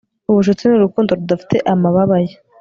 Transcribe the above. ubucuti ni urukundo rudafite amababa ye